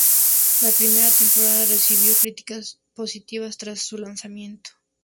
La primera temporada recibió críticas positivas tras su lanzamiento.